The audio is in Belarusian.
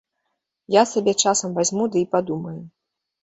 Я сабе часам вазьму ды і падумаю.